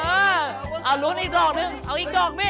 เออเอาลุ้นอีกดอกนึงเอาอีกดอกนี่